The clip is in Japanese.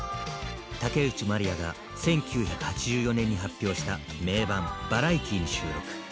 竹内まりやが１９８４年に発表した名盤「ＶＡＲＩＥＴＹ」に収録。